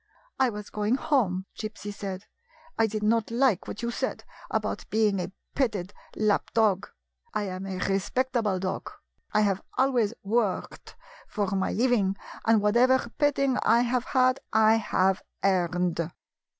" I was going home," Gypsy said. " I did not like what you said about being a petted lap dog. I am a respectable dog. I have always worked for my living, and whatever petting I have had I have earned.